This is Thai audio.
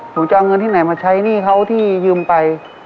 หนูจะเอาเงินที่ไหนมาใช้หนี้เขาที่ยืมไป